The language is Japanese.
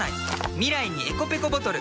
未来にｅｃｏペコボトル。